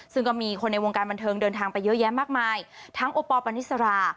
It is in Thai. ซึ่งก็มีคนในวงการบันเทิงเดินทางไปเยอะแยะมากมายทั้งโอปอลปานิสรา